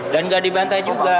dan tidak dibantai juga